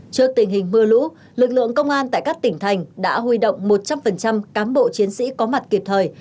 trước tình hình mưa lũ lực lượng công an tại các tỉnh thành đã huy động một trăm linh cán bộ chiến sĩ có mặt kịp thời